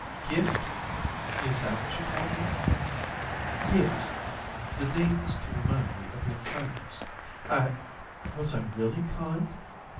"Gift " "Is that what you call him?" "Yes. The name is to remind me of your kindness. I " "Was I really kind?"